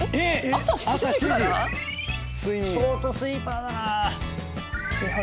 朝７時⁉ショートスリーパーだな。